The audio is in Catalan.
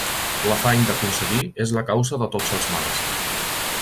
L'afany d'aconseguir és la causa de tots els mals.